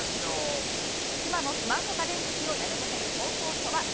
妻のスマート家電好きをやめさせる方法とは？